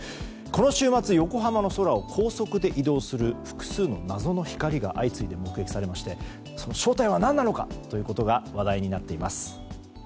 この週末横浜の空を高速で移動する複数の謎の光が相次いで目撃されましてその正体は何なのかということが話題になっています。